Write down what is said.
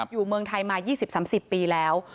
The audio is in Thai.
เมืองไทยมา๒๐๓๐ปีแล้ว